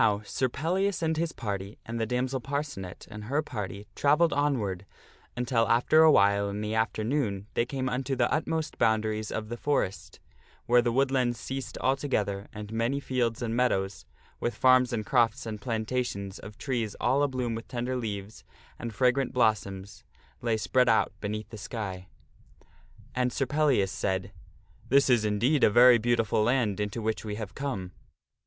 NOW, Sir Pellias and his party and the damsel Parcenet and her party travelled onward until after awhile in the afternoon they came unto the utmost boundaries of the forest, where the wood lands ceased altogether and many fields and meadows, with farms and crofts and plantations of trees all a bloom with tender leaves and fragrant blossoms, lay spread out beneath the sky. And Sir Pellias said, " This is indeed a very beautiful land into which we have come."